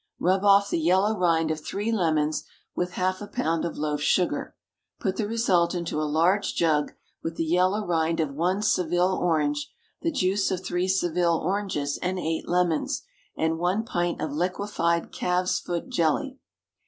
Rub off the yellow rind of three lemons with half a pound of loaf sugar. Put the result into a large jug, with the yellow rind of one Seville orange, the juice of three Seville oranges and eight lemons, and one pint of liquefied calf's foot jelly.